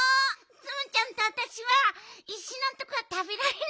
ツムちゃんとあたしはいしのとこはたべられなかった。